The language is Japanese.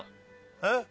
えっ？